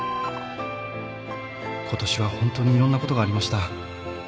ことしはホントにいろんなことがありました